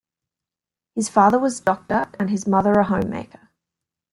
His father was doctor and his mother a homemaker.